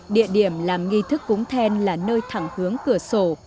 địa điểm làm nghi thức cúng then là nơi thẳng hướng cửa sổ